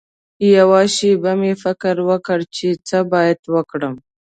یوه شېبه مې فکر وکړ چې څه باید وکړم.